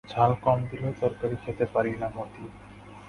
ঝাল কম দিলেও তরকারি খেতে পারি না মতি।